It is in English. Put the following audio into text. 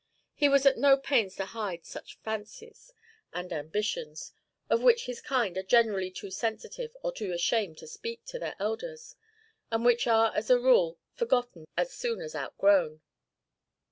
He was at no pains to hide such fancies and ambitions, of which his kind are generally too sensitive or too ashamed to speak to their elders, and which are as a rule forgotten as soon as outgrown.